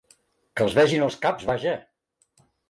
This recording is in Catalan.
Que els vegin els caps, vaja!